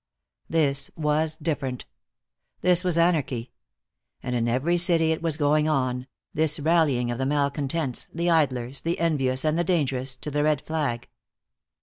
This was different. This was anarchy. And in every city it was going on, this rallying of the malcontents, the idlers, the envious and the dangerous, to the red flag.